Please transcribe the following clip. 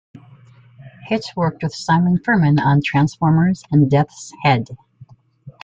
Hitch worked with Simon Furman on "Transformers" and "Death's Head".